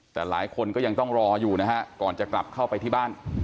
แต่หลายคนก็ยังต้องรออยู่นะฮะก่อนจะกลับเข้าไปที่บ้าน